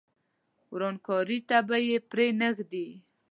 ورانکاري ته به پرې نه ږدي.